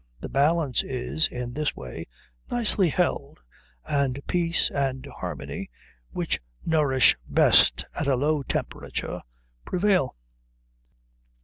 The balance is, in this way, nicely held, and peace and harmony, which nourish best at a low temperature, prevail."